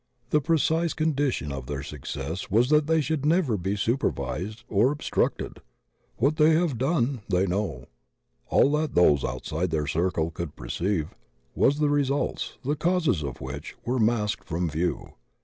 The precise condition of their success was that they should never be supervised or obstructed. What they have done they know; all that those outside their circle could perceive was the results, the causes of which were masked from view.